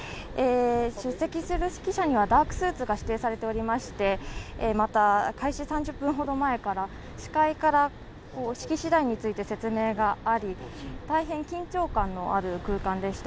出席する記者にはダークスーツが指定されていましてまた、開始３０分ほど前から、司会から式次第について説明があり、大変緊張感のある空間でした。